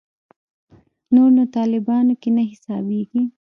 نور نو طالبانو کې نه حسابېږي.